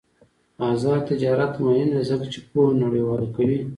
آزاد تجارت مهم دی ځکه چې پوهه نړیواله کوي.